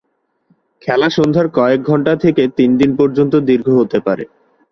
খেলা সন্ধ্যার কয়েক ঘণ্টা থেকে তিন দিন পর্যন্ত দীর্ঘ হতে পারে।